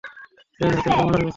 সে আঘাতে সে মারা গেছে।